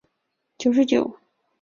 它是研究海洋的地理学的分支。